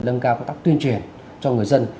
lâng cao công tác tuyên truyền cho người dân